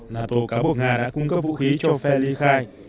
nato cáo buộc nga đã cung cấp vũ khí cho phe ly khai